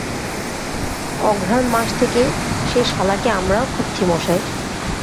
অঘ্রাণ মাস থেকে সে শালাকে আমরাও খুঁজছি মশায়।